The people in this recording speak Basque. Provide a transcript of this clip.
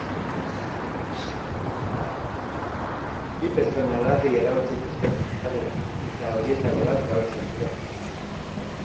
Bi pertsona larri eraman zituzten ospitalera, eta horietako bat gaur zendu da.